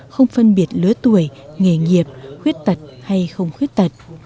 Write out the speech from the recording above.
không phân biệt lứa tuổi nghề nghiệp khuyết tật hay không khuyết tật